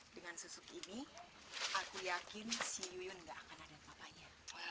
dengan susuk ini aku yakin si yuyun gak akan ada apa apanya